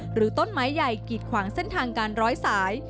หรือต้นไม้ใหญ่กีดขวางเส้นทางการร้อยสาย